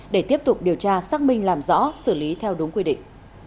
để tiếp tục điều tra xác minh làm rõ xử lý theo đúng quy định